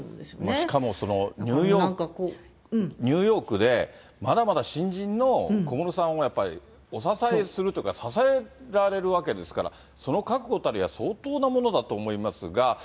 しかもニューヨークで、まだまだ新人の小室さんをやっぱり、お支えするというか、支えられるわけですから、その覚悟たるや、相当なものだと思いますが。